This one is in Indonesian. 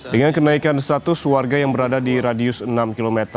dengan kenaikan status warga yang berada di radius enam km